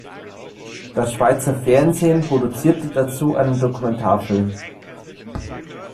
Das Schweizer Fernsehen produzierte dazu einen Dokumentarfilm.